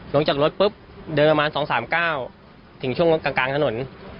ลงจากรถปุ๊บเดินประมาณ๒๓๙ถึงช่วงกลางถนน